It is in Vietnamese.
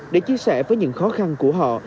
để chia sẻ với những khó khăn của họ